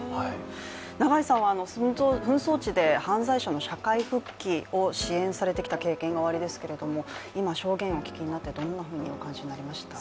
永井さんは紛争地で犯罪者の社会復帰を支援されてきました経験がおありですけども、今証言を聞いてどのようにお感じになりました？